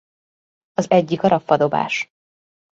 Az egyik a raffa dobás.